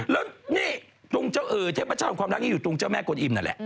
แล้วนี่เทพเจ้าของความรักอยู่ตรงเจ้าแม่กนอิ่มนั่นแหละ